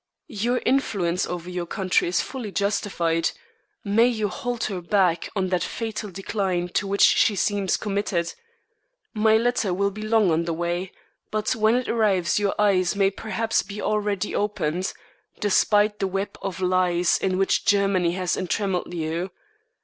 Your influence over your country is fully justified; may you hold her back on that fatal decline to which she seems committed. My letter will be long on the way, but when it arrives your eyes may perhaps be already opened, despite the web of lies in which Germany has entrammelled you.